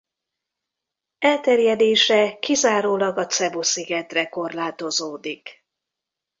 Elterjedése kizárólag a Cebu-szigetre korlátozódik.